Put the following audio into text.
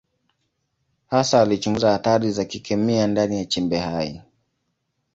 Hasa alichunguza athari za kikemia ndani ya chembe hai.